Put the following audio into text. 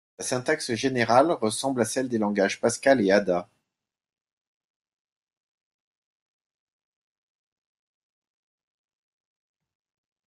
Sa syntaxe générale ressemble à celle des langages Pascal et Ada.